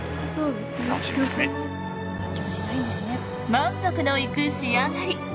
満足のいく仕上がり。